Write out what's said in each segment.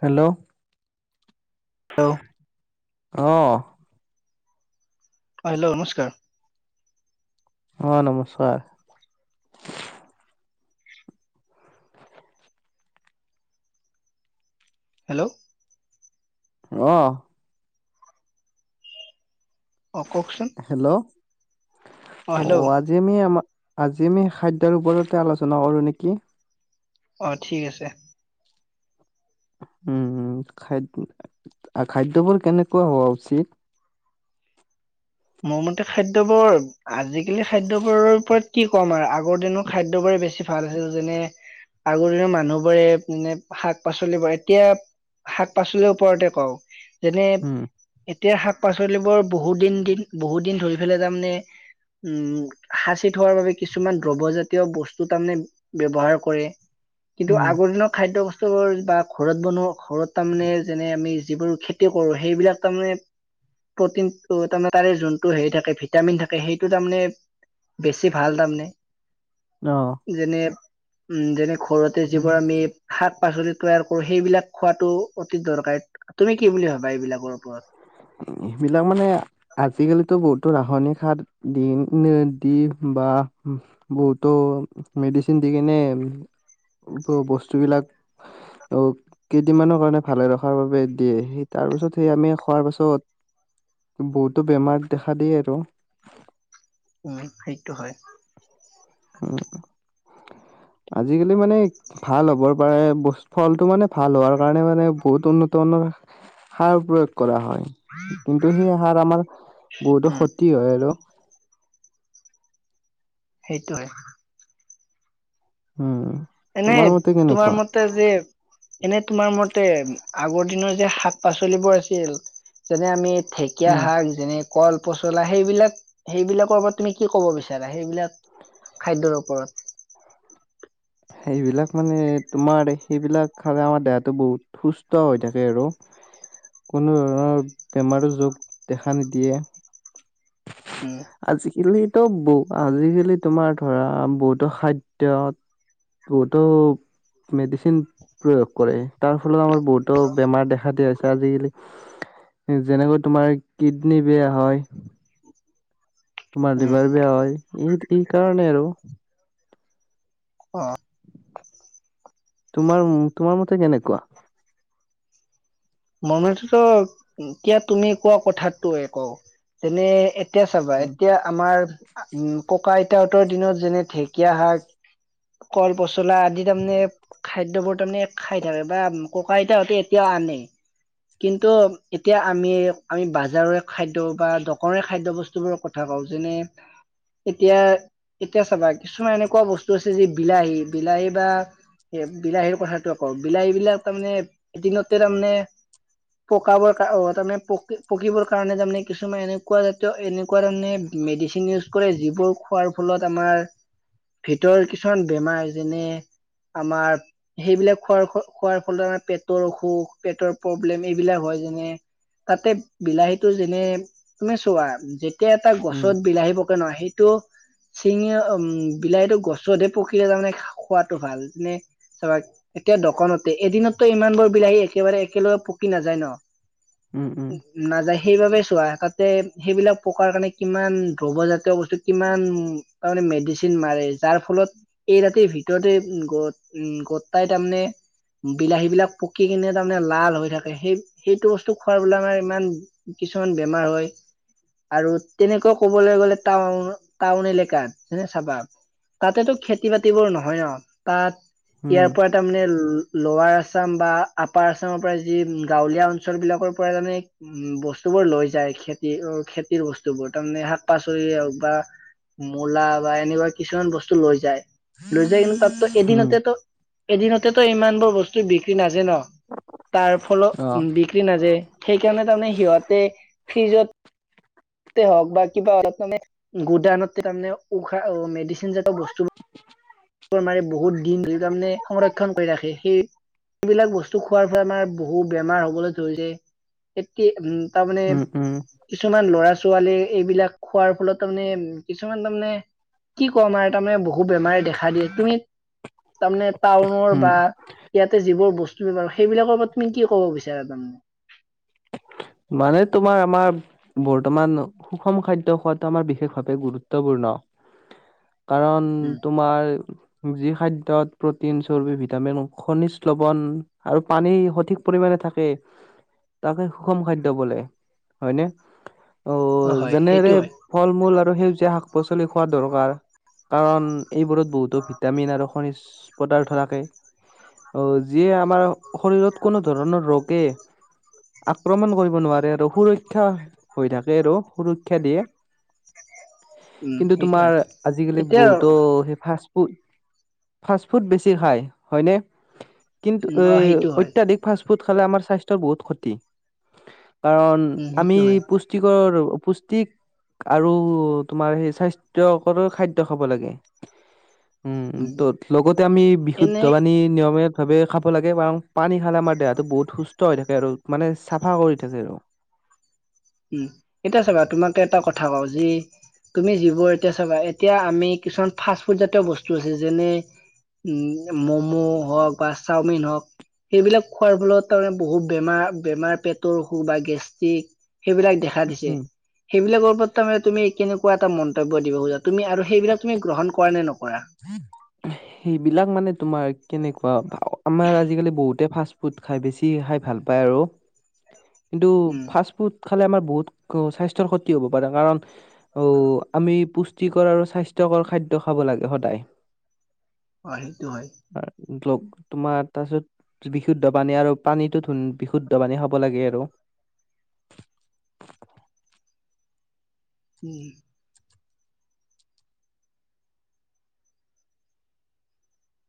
Hello হেল্ অ অ hello নমস্কাৰ অ নমস্কাৰ হেল্ল' অ অকচন হেল্ল' অ আজি আমি আমাৰ আজি আমি খাদ্যৰ ওপৰতে আলোচনা কৰোঁ নেকি অ ঠিক আছে উম খাদ খাদ্যবোৰ কেনেকুৱা হোৱা উচিত মোৰ মতে খাদ্যবোৰ আজিকালি খাদ্যবোৰৰ ওপৰত কি কম আৰু আগৰ দিনৰ খাদ্যবোৰে বেছি ভাল আছিল যেনে আগৰ দিনৰ মানুহবোৰে মে শাক পাচলিবোৰ এতিয়া শাক পাচলিৰ ওপৰতে কওঁ যেনে উম এতিয়য়া শাক পাচলিবোৰ বহুদিন দিন বহুত দিন ধৰি পেলাই তাৰমানে উম সাঁচি থোৱাৰ বাবে কিছুমান দ্ৰবজাতীয় বস্তু তাৰমানে ব্য্ৱহাৰ কৰে কিন্তু উম আগৰ দিনৰ খাদ্যয় বস্তু বা ঘৰত বনোৱা ঘৰত তাৰমানে যেনে আমি যিবোৰ খেতি কৰো সেইবিলাক তাৰমানে প্ৰটিন তাৰমানে ত যোনটো হে থাকে ভিটামিন থাকে সেইটো তাৰে বেছি ভাল তাৰে অ যেনে উম যেনেক ঘৰতে যিবোৰ আমি শাক পাচলি তৈয়াৰ কৰো সেইবিলাক খোৱাাতো অতি দৰকাৰী তুমি কি বুলি ভাবা এইবিলাকৰ ওপৰত সেইবিলাক মানে আজিকালিতো বহুতো ৰাসায়নিক সাৰ দি দি বা বহুতো মেডিচিন দি কিনে বস্তু বিলাক অ কেইদিনমানৰ কাৰণে ভালে ৰখাৰ বাবে দিয়ে সেই তাৰ পিছত সেই আমি খোৱাৰ পাছত বহুতো বেমাৰ দেখা দিয় আৰু উম সেইটো হয় আজিকালি মানে ভাল হ'বৰ পাৰে ফলটো মানে ভাল হোৱাৰ কাৰণে মানে বহুত উন্নতত সাৰ প্ৰয়োগ কৰা হয় কিন্তু সেই আহাৰ আমাৰ বহুতো উম ক্ষতি হয় আৰু সেইটো উম এনে তোমাৰ মতে তোমাৰ কেনেকুৱা মতে যে এনে তোমাৰ মতে আগৰ দিনৰ শাক পাচলিবোৰ আছিল যেনে আমি ঢেকীয়া উম শাক যেনে। কল পচলা সেইবিলাক সেইবিলাকৰ ওপৰত তুমি কি ক'ব বিচাৰা সেইবিলাক খাদ্যয়ৰ ওপৰত সেইবিলাক মানে তোমাৰ সেইবিলাক খালে আমাৰ দেহাটো বহুত সুস্থ হৈ থাকে আৰু কোনো ধৰণৰ বেমাৰৰ যোগ দেখা নিদিয়ে। উম। ইলিতো বহু আজিকালি তোমাৰ ধৰা বহুতো খাদ্যত বহুতো মেডিচিন প্ৰয়োগ কৰে তাৰ ফলত আমাৰ বহুতো বেমাৰ দেখা দিয়া হৈছে আজিকালি যেনেকৈ তোমাৰ কিডনী বেয়া হয়। তোমাৰ লিভাৰ উম বেয়া হয় এই এই কাৰণে আৰু অ তোমাৰ তোমাৰ মতে কেনেকুৱা মনতেতো এতিয়া তুমি কোৱা কথাতো কওঁ যেনে এতিয়া চাবা উম এতিয়া আমাৰ উম' ককা আইতাহঁতৰ দিনত যেনে ঢেকীয়া শাক, কল পচলা আদি তাৰমানে, খাদ্যবোৰ তাৰমানে, খাই থাকে বা ককা আইতাহতে এতিয়াও আনে কিন্তু এতিয়া আমি, আমি বজাৰৰে খাদ্য বা দোকানৰে খাদ্যয় বস্তুবোৰৰ কথা কওঁ যেনে, এতিয়া এতিয়া চাবা কিছুমান এনেকুৱা বস্তু আছে যে বিলাহী, বিলাহী বা বিলাহীৰ কথাাতো কওঁ, বিলাহী বিলাক তাৰমানে এদিনতে তাৰমানে পকাবৰ কাৰ তাৰমানে, পক পকিবৰ কাৰণে তাৰমানে কিছুমান এনেকুৱা জাতীয় এনেকুৱা ধৰণে মেডিচিন ইউজ কৰে, যিবোৰ খোৱাৰ ফলত আমাৰ ভিতৰ কিছুমান বেমাৰ, যেনে আমাৰ, সেইবিলাক খোৱাৰ খোৱাৰ ফলত আমাৰ পেটৰ অসুখ পেটৰ [unintelligible] এইবিলাক হয় যেনে, তাতে বিলাহীটো যেনে তুমি চোৱা [unintelligible] এটা উম গছত বিলাহী পকে ন, সেইটো চিঙি উম বিলাহীটো গছতহে পকিলে তাৰমানে খোৱাাতটো ভাল, যেনে চাবা এতিয়া দোকানতে, এদিনতটো ইমান বোৰ বিলাহী [unintelligible] একেলগে পকি নাযায় ন। উম উ, নাযায় সেইবাবেই চোৱা তাতে সেইবিলাক পকাৰ কাৰণে কিমান দ্ৰব জাতীয় বস্তু, কিমান তাৰমানে মেডিচিন মাৰে যাৰ ফলত এই ৰাতিৰ ভিতৰতে উ' গটাই তাৰমানে, বিলাহী বিলাক পকি কিনে তাৰমানে মানে লাল হৈ থাকে, সেই সেইটো বস্তু খোৱাৰ ব আমাৰ ইমান কিছুমান বেমাৰ হয়, আৰু তেনেকুৱা কবলৈ গ'লে টাউন টাউন এলেকাত, যেনে চাবা, তাতেতো খেতি বাতিবোৰ নহয় ন, তাত উম উম ইয়াৰ পৰা তাৰমানে লোৱাৰ আছাম বা পাৰচামৰ পৰা যি গাঁৱলীয়া অঞ্চল বিলাকৰ পৰা মানে, উ বস্তু বোৰ লৈ যায়, খেতি খেতিৰ বস্তু বোৰ, তাৰমানে শাক পাচলি হওক বা মূলা, বা এনেকুৱা কিছুমান বস্তু লৈ যায় লৈ যায় কিন্তু তাতো উম এদিনতেতো এদিনতেতো ইমান বোৰ বস্তু বিক্ৰী নাজায় ন তাৰ ফলত অ উম, বিক্ৰী নাযায়, সেইকাৰণে তাৰমানে সিহঁতে ফ্ৰিজত হওক বা কিবা হে গুডান [unintelligible] তাৰে উশাহ মেডিচিনজাত বস্তু বহুত [inaudible] দিন ধ তাৰমানে সংৰক্ষণ কৰি ৰাখে, সেই সবিলাক বস্তু খোৱাৰ [unintelligible] ফ আমাৰ বহু বেমাৰ হবলৈ ধৰি, [unintelligible] যায় উ তাৰ মানে উম উম কিছুমান ল'ৰা ছোৱালী, এইবিলাক খোৱাৰ ফলত তাৰমানে, কিছুমান তাৰমানে, কি কম আৰু তাৰমানে বহু বেমাৰ দেখা দিয়ে। তুমি তাৰমানে, টাউনৰ উম বা ইয়াতে যিবোৰ বস্তু বেমাৰ, সেইবিলাকৰ তুমি কি ক'ব বিচাৰা তাৰমানে? মানে তোমাৰ আমাৰ বৰ্তমান সুষম খাদ্য খোৱাাতটো আমাৰ বিশেষ ভাৱে গুৰুত্বপূৰ্ণ কাৰণ উম তোমাৰ যি খাদ্যত প্ৰটিন চৰ্বি, ভিটামিন, খনিজ লৱন আৰু পানী সঠিক পৰিমণে থাকে, তাকে [unintelligible] খাদ্য বলে, হয় নে! অ' হয় সেইটো যেনেৰে হয় ফল মূল আৰু আৰু সেউজীয়া শাক পাচলি খোৱা দৰকাৰ, কাৰণ এইবোৰত বহুতো ভিটামিন আৰু খনিজ পদাৰ্থ থাকে, অ' যিয়ে আমাৰ শৰীৰত কোনো ধৰণৰ ৰোগে আক্ৰমণ কৰিব নোৱাৰে আৰু সুৰক্ষা হৈ থাকে আৰু, সুৰক্ষা দিয়ে। উম কিন্তু সেইটো হয় তোমাৰ আজিকালি এতিয়া বহুতো উম সেই ফা ফাষ্ট ফুড বেছি খায়, হয়নে! কিন্তু এ অ সেইটো হয় অত্যাধিক ফা ফু খালে আমাৰ সাস্থ্যৰহুত ক্ষতি কাৰণ উম আমি সেইটো হয় পুষ্টিকৰ পুষ্টিক আৰু তোমাৰ সেই স্বাস্থ্যকৰ খাদ্য খাব লাগে। উম ত লগতে আমি বিশুদ্ধ এনে বাণী নিয়মে ভাবে খাব লাগে বাৰু পানী স খাল আম দেহাত বহুত সুস্থ হৈ থাকে আৰু। চাফা কৰি থাকে ৰ। উম, এতিয়া চাবা তোমাক এটা কথা কওঁ যি তুমি জীৱ এতিয়া চাবা এতিয়া আমি কিছুমান ফাষ্ট ফুড জাতীয় বস্তু আছে যেনে উ মম হওক বা চাওমিন হওক সেইবিলাক খোৱাৰ ফলত তাৰমানে বহুত বেমাৰ- বেমাৰ পেটৰ অসুখ বা গেষ্ট্ৰিক সেইবিলাক দেখা দিছে উম। সেইবিলাকৰ বৰ্তমানে তুমি কেনেকুৱা এটা মন্তব্য দিব খজা তুমি আৰু সেইবিলাক তুমি গ্ৰহণ কৰা নে ন সেইবিলাক মানে তোমাৰ কেনেকুৱা আমাৰ আজিকালি বহুতে ফাষ্ট ফুড খাই বেছি খাই ভাল পায় আৰু। কিন্তু উম ফাষ্ট ফুড খালে আমাৰ বহুত সস্বাস্থ্যৰ ক্ষতি হব পাৰে কাৰণ অহ আমি পুষ্টিকৰ আৰু স্বাস্থ্যকৰ খাদ্য খাব লাগে। সদায়। হয় সেইটো হয়। তোমাৰ তাৰ পিছত বিশুদ্ধ পানী আৰু পানীতো ধুন বিশুদ্ধ পানী খাব লাগে আৰু। উম,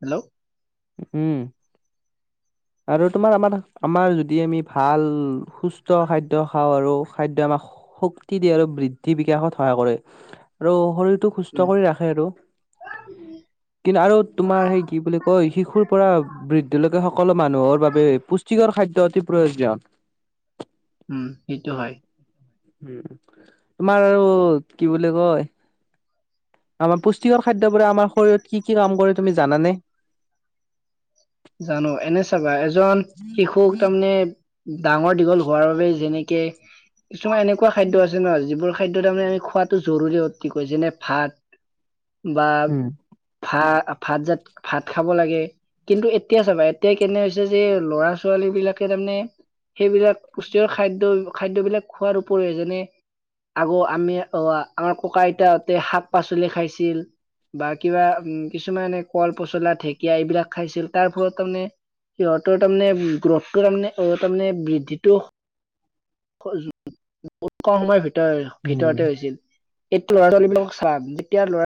হেল্ল', উম, আৰু তোমাৰ আমাৰ আমাৰ যদি আমি ভাল সুস্থ খাদ্য খাওঁ আৰু খাদ্য আমাক শক্তি দিয়ে আৰু বৃদ্ধি বিকাশত সহায় কৰে আৰু শৰীৰ সুস্থ উম কৰি ৰাখে আৰু কিন্তু আৰু তোমাৰ সেই কি বুলি কয়। শিশুৰ পৰা বৃদ্ধিলকে সকলো মানুহৰ বাবে পুষ্টিকৰ খাদ্যয় অতি প্ৰয়োজন। উম সেইটো হয়। উম ' তোমাৰ আৰু কি বুলি কয়। আমাৰ পুষ্টিকৰ খাদ্যবোৰে আমাৰ শৰীৰত কি-কি কাম কৰে তুমি জানানে? জানো এনে চাবা এজন শিশুক তাৰমানে ডাঙৰ দীঘল হোৱাৰ বাবো যেনে একে কিছুমান এনেকুৱা খাদ্য আছে নহয় যিবোৰ খাদ্য তাৰ মানে আমি খোৱাটো জৰুৰী অতিকৈ যেনে ভাত। বা উম ভা ভাত জাত ভাত খাব লাগে। কিন্তু এতিয়া চাবা এতিয়াই কেনে হৈছে যে ল'ৰা ছোৱালী বিলাকে তাৰমানে সেইবিলাক পুষ্টিকৰ খাদ্য খাদ্যবিলাক খোৱাৰ উপৰি যেনে আগৰ আমি অহ আমাৰ ককা আইতা হতে শাক পাচলি খাইছিল বা কিবা কিছুমানে কল পচলা, কৰে ঢেকীয়া এইবিলাক। খাইছিল তাৰ ফলত তামনে, সিহঁতৰ তামানে গ্ৰথটো তাৰমানে - তাৰমানে বৃদ্ধিটো [unintelligible] বহুত কম সময়ৰ ভিতৰত। তেল উম ভিতৰতে হৈছিল। এইটো ল'ৰা [unintelligible] ছোৱালীবিলাকক চাম যেতিয়া ল'ৰা।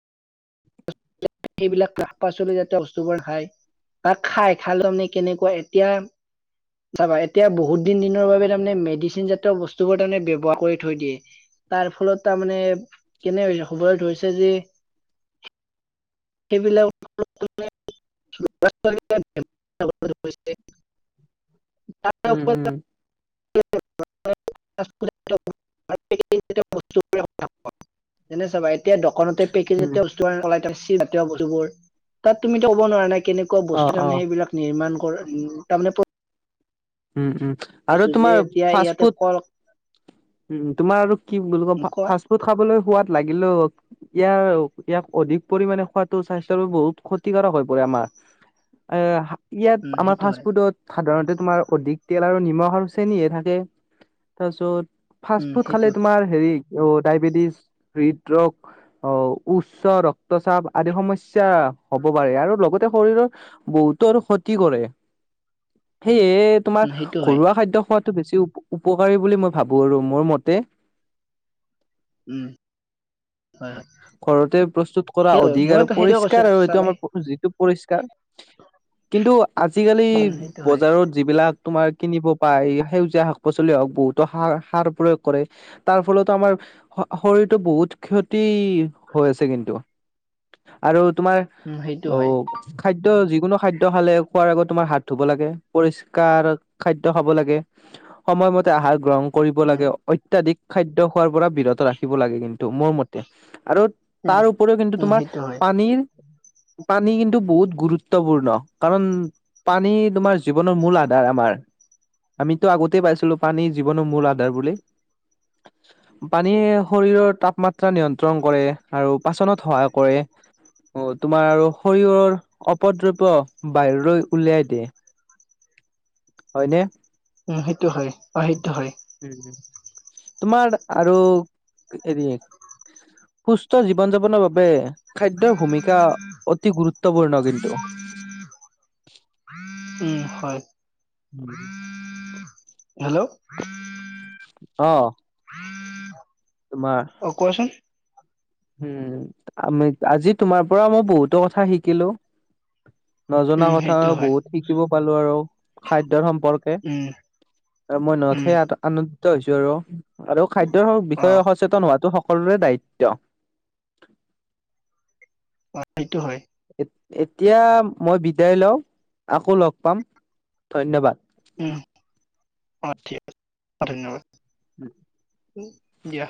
সেইবিলাক শাক পাচলি জাতীয় বস্তুবোৰ খায়। তাক খাই খালেও তামানে কেনেকুৱা এতিয়া চাবা, এতিয়া বহুত দিন দিনৰ বাবে তামানে মেডিচিন জাতীয় বস্তুবোৰ তাৰমানে ব্যৱহাৰ কৰি থৈ দিয়ে। তাৰ ফলত তাতমানে কেনে হবলৈ ধৰিছে যে। সেইবিলাক [unintelligible] উম - উম। নে চাবা [unintelligible] এতিয়া দোকানতে পেকেজ উম এটা বস্তু ওলাই থৈছি। [unintelligible] তাত তুমি এতিয়া [unintelligible] কেনেকুৱা অ বস্তু অ তামানে সেইবিলাক নিৰ্মাণ উম, তাৰমানে উম, উম। আৰু ছো যে তোমাৰ এতিয়া ফাষ্ট ইয়াতে ফুড, কল উম, তোমাৰ আৰু কি বুলি কম, কয় ফাষ্ট ফুড খাবলৈ সোৱাদ লাগিলেও এতিয়াও, এতিয়া অধিক পৰিমানে খোৱাতো স্বাস্থ্যৰ বাবে বহুত ক্ষতিকাৰক হৈ পৰে আমাৰ, এ ইয়াত উম আমাৰ সেইটো ফাষ্ট হয় ফুডত সাধাৰণতে তোমাৰ অধিক তেল আৰু নিমখ আৰু চেনিহে থাকে, তাৰপিছত ফাষ্ট উম ফুড খালে সেইটো তোমাৰ হেৰি অ' ডায়বেটিছ, হৃদৰোগ, আহ উচ্চ ৰক্তচাপ আদি সমস্যা হব পাৰে। আৰু লগতে শৰীৰৰ বহুতৰ ক্ষতি কৰে, সেয়ে তোমাৰ উম সেইটো হয় ঘৰুৱা খাদ্য খোৱাত বেছি উপ-উপকাৰী বুলি মই ভাবো আৰু মোৰ মতে। উম। হয় হয় ঘৰতে প্ৰস্তুত কৰা সেইটো অধিকাৰ আৰু মইতো সেইটোৱে কৈছো পৰিষ্কাৰ আৰু এইটো চাবাই আমাৰ যিটো পৰিষ্কাৰ। কিন্তু আজিকালি উম সেইটো হয় বজাৰত যিবিলাক তোমাৰ কিনিব পায়, সেউজীয়া শাক পাচলি হওক বহুতো সাৰ-সাৰ প্ৰয়োগ কৰে। তাৰ ফলতো আমাৰ শৰীৰটো বহুত ক্ষতি [unintelligible] হৈ আছে কিন্তু আৰু তোমাৰ উম সেইটো হয় অ', খাদ্য যিকোনো খাদ্য খালে খোৱাৰ আগত তোমাৰ হাত ধুব লাগে, পৰিষ্কাৰ খাদ্য খাব লাগে, সময়মতে আহাৰ গ্ৰহণ কৰিব উম লাগে অত্যাধিক খাদ্য খোৱাৰ পৰা বিৰত ৰাখিব লাগে কিন্তু, মোৰ মতে। [unintelligible] আৰু উম তাৰ উপৰিও কিন্তু উম তোমাৰ সেইটো হয় পানীৰ পানী কিন্তু বহুত গুৰুত্বপূৰ্ণ, কাৰণ পানী তোমাৰ জীৱনৰ মূল আধাৰ আমাৰ, আমিতো আগতে পাইছিলো পানী জীৱনৰ মূল আধাৰ বুলি। পানীয়ে শৰীৰৰ তাপমা [unintelligible] নিয়ন্ত্ৰণ কৰে আৰু পাচনত সহায় কৰে, তোমাৰ শৰীৰৰ অপদ্ৰব্য বাহিৰলৈ উলিয়াই দিয়ে। হয়নে? উম, সেইটো হয়, অ', সেইটো হয়। উম। তোমাৰ আৰু হেৰি, সুস্থ জীৱন যাপনৰ বাবে খাদ্যৰ ভূমিকা অতি গুৰুত্বপূৰ্ণ কিন্তু। হয়। উম। [inaudible] হেল্ল'। অ'। তোমাৰ অ', কোৱাচোন। উম আজি তোমাৰ পৰা মই বহুতো কথা শিকিলো নজনা উম কথা সেইটো আৰু হয় বহুত শিকিব। পালো আৰু। খাদ্যৰ সম্পৰ্কে উম আৰু মনত উম সেই আনন্দ ছো আৰু। আৰু খাদ্যৰ অ বিষয়ে সচেতন হোৱাাতো। সকলোৰে দায়িত্ব। অ 'সেইটো হয়। এতিয়া মই বিদায় লও আকৌ লগ পাম ধন্যবাদ। উম অ' ঠিক আছে ধন্যবাদ। উম। দিয়া।